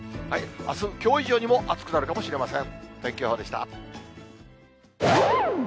あす、きょう以上にも暑くなるかもしれません。